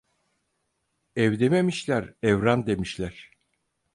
Ev dememişler, evran demişler.